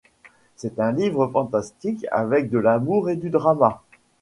C'est un livre fantastique avec de l'amour et du drama.